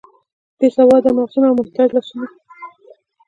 بې سواده مغزونه او محتاج لاسونه.